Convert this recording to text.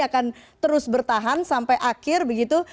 akan terus bertahan sampai akhir begitu